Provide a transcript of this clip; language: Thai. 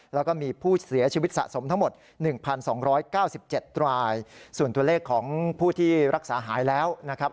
แล้วก็มีผู้เสียชีวิตสะสมทั้งหมด๑๒๙๗รายส่วนตัวเลขของผู้ที่รักษาหายแล้วนะครับ